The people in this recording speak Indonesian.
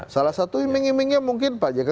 salah satu iming imingnya mungkin pak jk